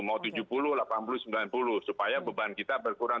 mau tujuh puluh delapan puluh sembilan puluh supaya beban kita berkurang